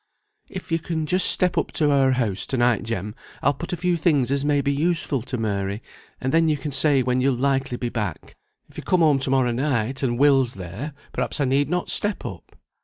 "If you can just step up to our house to night, Jem, I'll put up a few things as may be useful to Mary, and then you can say when you'll likely be back. If you come home to morrow night, and Will's there, perhaps I need not step up?"